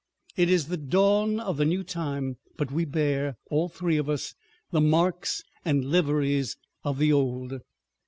It is the dawn of the new time, but we bear, all three of us, the marks and liveries of the old.